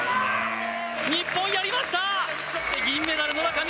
日本、やりました！